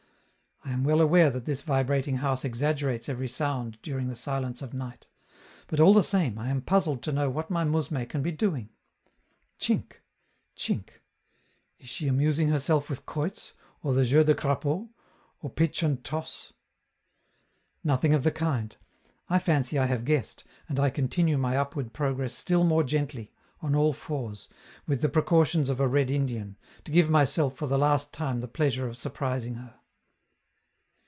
I am well aware that this vibrating house exaggerates every sound during the silence of night; but all the same, I am puzzled to know what my mousme can be doing. Chink! chink! is she amusing herself with quoits, or the 'jeu du crapaud', or pitch and toss? Nothing of the kind! I fancy I have guessed, and I continue my upward progress still more gently, on all fours, with the precautions of a red Indian, to give myself for the last time the pleasure of surprising her.